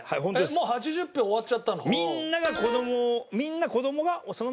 もう８０票終わっちゃったの？